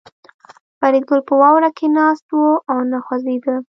فریدګل په واوره کې ناست و او نه خوځېده